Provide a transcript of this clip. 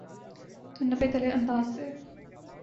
تو نپے تلے انداز سے۔